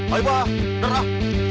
ayo pak berdekat